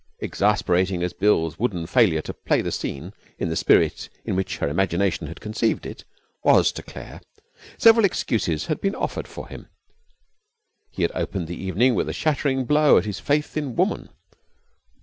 Exasperating as Bill's wooden failure to play the scene in the spirit in which her imagination had conceived it was to Claire, several excuses may be offered for him: He had opened the evening with a shattering blow at his faith in woman.